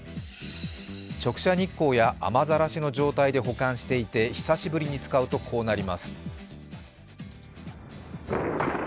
直射日光や雨ざらしの状態で保管していて久しぶりに使うとこうなります。